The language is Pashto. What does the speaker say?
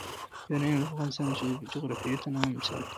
یورانیم د افغانستان د جغرافیوي تنوع مثال دی.